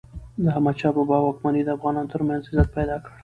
د احمد شاه بابا واکمني د افغانانو ترمنځ عزت پیدا کړ.